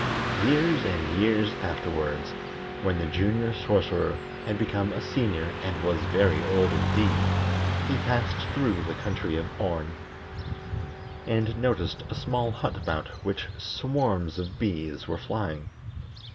Years and years afterward, when the Junior Sorcerer had become a Senior and was very old indeed, he passed through the country of Orn, and noticed a small hut about which swarms of bees were flying.